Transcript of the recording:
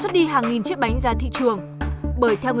ít nữa bây giờ thì bà lấy mỗi thùng một thùng